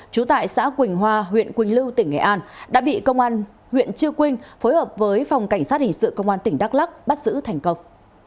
trú tại xã quỳnh hòa huyện quỳnh lưu tỉnh nghệ an đã bị công an huyện chư quynh phối hợp với phòng cảnh sát hình sự công an tỉnh đắk lắc bắt giữ thành công